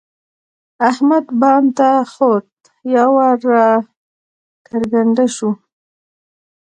احمد بام ته خوت؛ یو وار را کرکنډه شو.